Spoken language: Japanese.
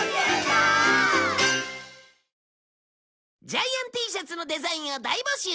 ジャイアン Ｔ シャツのデザインを大募集！